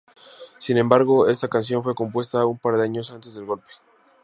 Sin embargo, esta canción fue compuesta un par de años antes del golpe.